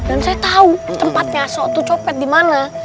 dan saya tau tempatnya soal itu copet dimana